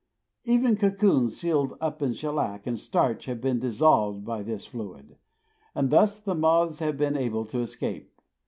Even cocoons sealed up in shellac and starch have been dissolved by this fluid, and thus the moths have been able to escape.